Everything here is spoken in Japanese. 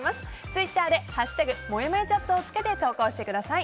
ツイッターで「＃もやもやチャット」をつけて投稿してください。